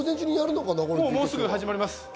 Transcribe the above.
もうすぐ始まります。